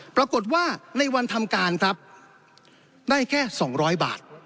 ปรากฏว่าในวันทำการครับได้แค่๒๐๐บาท